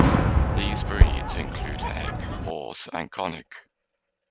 These breeds include the Heck horse and Konik.